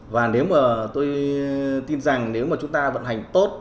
và nếu mà tôi tin rằng nếu mà chúng ta vận hành tốt